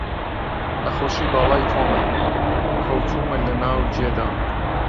نەخۆشی باڵای تۆمە، کەوتوومە لە ناو جێدام